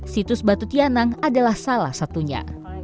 situs batu tianang adalah salah satunya